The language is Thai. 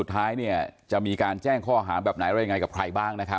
พี่ว่าไม่ใช่